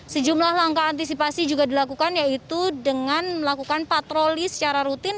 sejumlah langkah antisipasi juga dilakukan yaitu dengan melakukan patroli secara rutin